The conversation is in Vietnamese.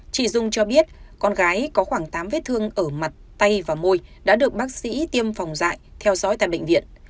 chị dung cho biết con gái có khoảng tám vết thương ở mặt tay và môi đã được bác sĩ tiêm phòng dại theo dõi tại bệnh viện